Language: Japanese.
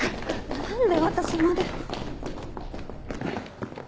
何で私まで。